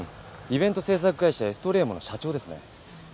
イベント制作会社エストレーモの社長ですね。